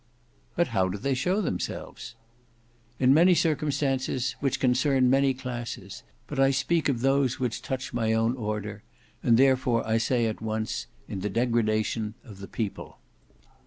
"But how do they show themselves?" "In many circumstances, which concern many classes; but I speak of those which touch my own order; and therefore I say at once—in the degradation of the people."